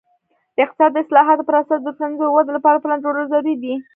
د اقتصاد د اصلاحاتو پر اساس د ټولنیزې ودې لپاره پلان جوړول ضروري دي.